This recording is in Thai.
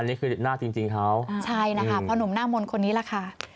นี่คือหน้าจริงเขาใช่นะคะพ่อหนุ่มหน้ามนต์คนนี้แหละค่ะ